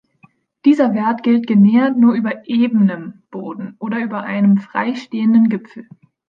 Dieser Wert gilt genähert nur über "ebenem" Boden oder über einem frei stehenden Gipfel.